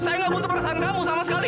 saya nggak butuh perasaan kamu sama sekali